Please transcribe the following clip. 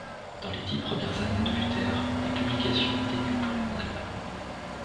Dans les dix premières années de Luther, les publications décuplent en Allemagne.